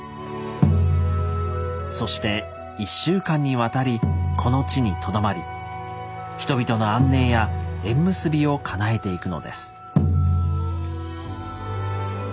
そして１週間にわたりこの地にとどまり人々の安寧や縁結びをかなえていくのです。